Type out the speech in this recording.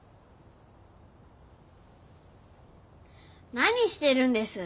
何してるんです？